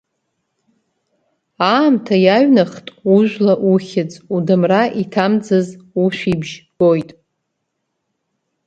Аамҭа иаҩнахт ужәла ухьыӡ, удамра иҭамӡаз ушәибжь гоит…